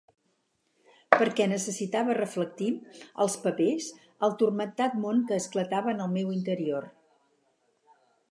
Perquè necessitava reflectir als papers el turmentat món que esclatava en el meu interior.